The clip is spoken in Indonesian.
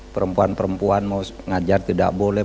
perempuan perempuan mau ngajar tidak boleh